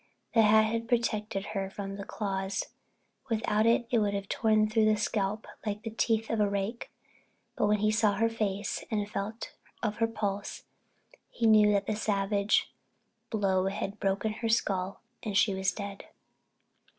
The hat had protected her from the claws; without it they would have torn through the scalp like the teeth of a rake. But when he saw her face and felt of her pulse, he knew that that savage blow had broken her skull and she was dead.